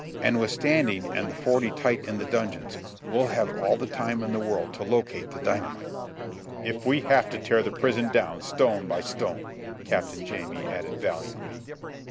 And with Standing and the forty tight in the dungeons, we'll have all the time in the world to locate the dynamite." "If we have to tear the prison down stone by stone," Captain Jamie added valiantly.